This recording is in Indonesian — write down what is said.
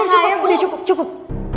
eh udah udah cukup udah cukup